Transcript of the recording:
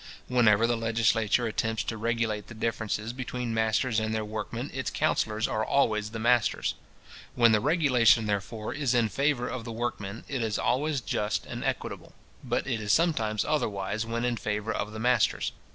Whenever the legislature attempts to regulate the differences between masters and their workmen, its counsellors are always the masters. When the regulation, therefore, is in favour of the workmen, it is always just and equitable; but it is sometimes otherwise when in favour of the masters.